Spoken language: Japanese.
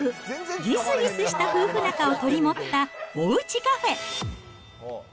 ぎすぎすした夫婦仲を取り持ったおうちカフェ。